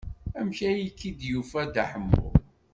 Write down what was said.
Amek ay k-id-yufa Dda Ḥemmu?